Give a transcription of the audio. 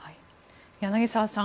柳澤さん